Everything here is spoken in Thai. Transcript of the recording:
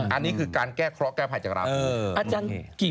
อันนี้คือการแก้เคราะหแก้ภัยจากเรา